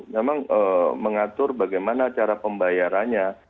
memang mengatur bagaimana cara pembayarannya